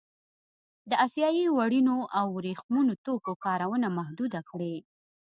د اسیايي وړینو او ورېښمينو توکو کارونه محدوده کړي.